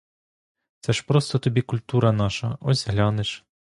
Це ж просто тобі культура наша, ось глянеш.